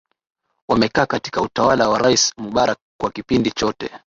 wamekaa katika utawala wa rais mubarak kwa kipindi chote